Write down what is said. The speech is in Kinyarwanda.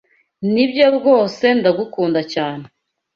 Nibyo rwose ndagukunda cyane